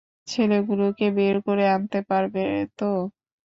ছেলেগুলোকে বের করে আনতে পারবে তো?